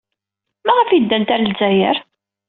Maɣef ay ddant ɣer Lezzayer?